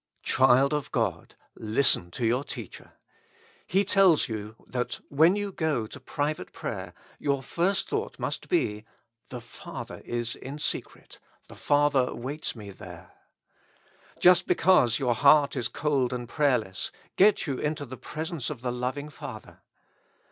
Child of God ! listen to your Teacher. He tells you that when you go to private prayer your first thought must be : the Father is in secret, the Father waits me there. Just because your heart is cold and prayerless, get you into the presence of the loving Father.